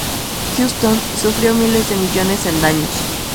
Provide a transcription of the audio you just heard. Houston sufrió miles de millones en daños.